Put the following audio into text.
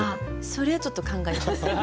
それはちょっと考えます。